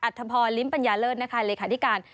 อัฐพลิมปัญญาเลิศณค่ะเดรียริการ